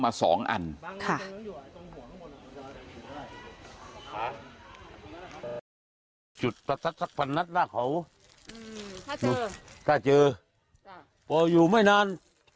มาสองอัน